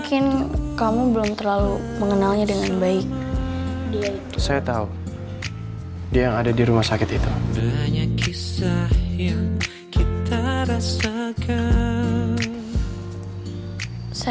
kepada pak darwis